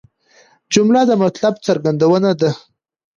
جمله د مطلب څرګندونه ده.